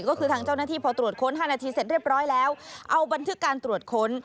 ก็คือทางเจ้าหน้าที่พอตรวจค้น๕นาทีเสร็จเรียบร้อยแล้วเอาบันทึกการตรวจค้น